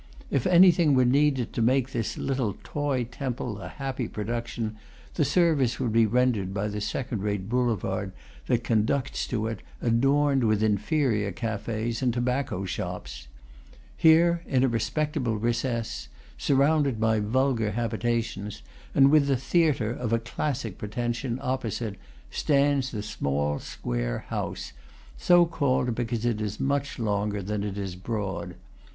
If anything were needed to make this little toy temple a happy production, the service would be rendered by the second rate boulevard that conducts to it, adorned with inferior cafes and tobacco shops. Here, in a respectable recess, surrounded by vulgar habitations, and with the theatre, of a classic pretension, opposite, stands the small "square house," so called because it is much longer than it is broad.